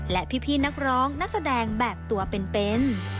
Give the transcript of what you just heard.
และพี่นักร้องนักแสดงแบบตัวเป็น